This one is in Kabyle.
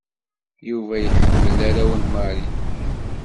Yuba yeḥmmel arraw n Marie.